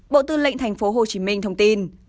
bộ tư lệnh thành phố hồ chí minh thông tin